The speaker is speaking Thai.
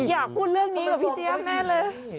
อยากพูดเรื่องนี้กับพี่เจี๊ยบแน่เลย